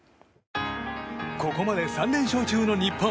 ここまで３連勝中の日本。